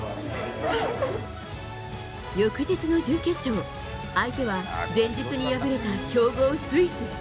翌日の準決勝相手は前日に敗れた強豪スイス。